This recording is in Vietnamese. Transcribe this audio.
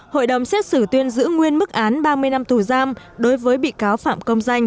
hội đồng xét xử tuyên giữ nguyên mức án ba mươi năm tù giam đối với bị cáo